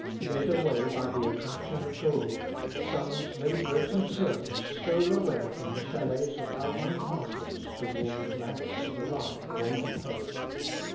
Led away by the attraction of gold, sons, labourers, and servants, stole away from the chalets of alpine pastures towards the banks of the Rhine or the Po.